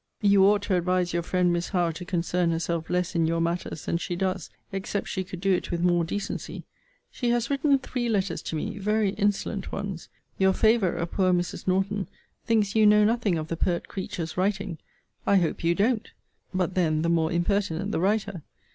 You ought to advise your friend Miss Howe to concern herself less in your matters than she does, except she could do it with more decency. She has written three letters to me: very insolent ones. Your favourer, poor Mrs. Norton, thinks you know nothing of the pert creature's writing. I hope you don't. But then the more impertinent the writer.